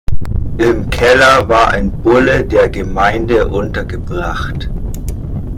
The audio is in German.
Im Keller war ein Bulle der Gemeinde untergebracht.